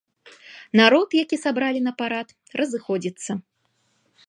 Народ, які сабралі на парад, разыходзіцца.